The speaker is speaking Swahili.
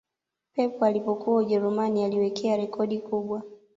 pep alipokuwa ujerumani aliwekea rekodi kubwa